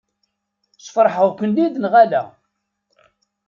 Sfeṛḥeɣ-ken-id neɣ ala?